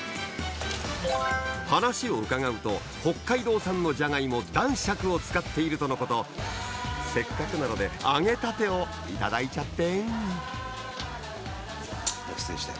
話を伺うと北海道産のじゃがいも男爵を使っているとのことせっかくなので揚げたてをいただいちゃってじゃあ失礼して。